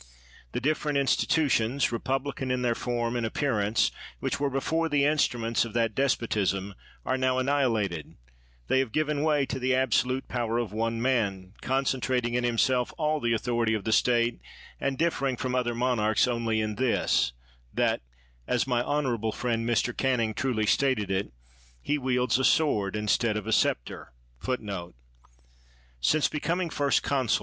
The different institutions, republican in their form and appearance, which were before the instruments of that despotism, are now annihilated; they have given way to the abso lute power of one man, concentrating in him self all the authority of the State, and differing from other monarchs only in this, that (as my honorable friend, Mr. Canning, truly stated it) he wields a sword instead of a scepter.^ What, ' Since becoming first consul.